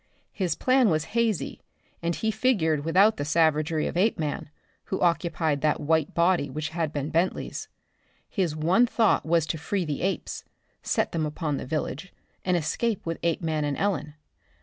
His plan was hazy, and he figured without the savagery of Apeman who occupied that white body which had been Bentley's. His one thought was to free the apes, set them upon the village, and escape with Apeman and Ellen.